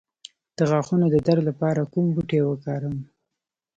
د غاښونو د درد لپاره کوم بوټی وکاروم؟